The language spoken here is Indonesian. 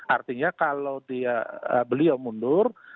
artinya kalau beliau mundur